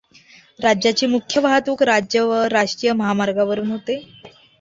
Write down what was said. राज्याची मुख्य वाहतूक राज्य व राष्ट्रीय महामार्गावरून होते.